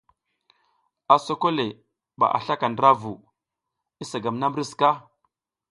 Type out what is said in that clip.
A soko le dan aba a slaka ndra vu, isa gam na mbri sika?